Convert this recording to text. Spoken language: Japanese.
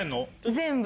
全部。